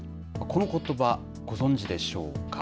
このことば、ご存じでしょうか。